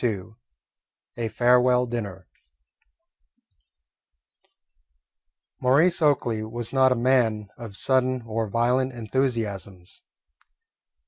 II A FAREWELL DINNER Maurice Oakley was not a man of sudden or violent enthusiasms.